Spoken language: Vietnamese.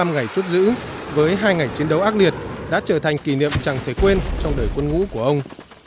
bảy mươi ngày chốt giữ với hai ngày chiến đấu ác liệt đã trở thành kỷ niệm chẳng thể quên trong đời quân ngũ của ông